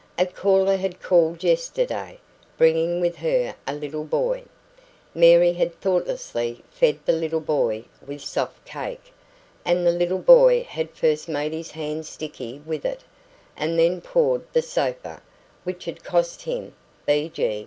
A caller had called yesterday, bringing with her a little boy. Mary had thoughtlessly fed the little boy with soft cake, and the little boy had first made his hands sticky with it, and then pawed the sofa, which had cost him (B.G.)